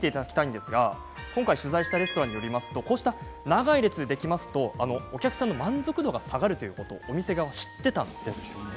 今回、取材したレストランでは長い列ができるとお客さんの満足度が下がるということをお店側も知っていたんです。